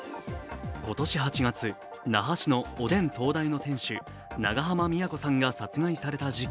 今年８月、那覇市のおでん東大の店主、長濱美也子さんが殺害された事件。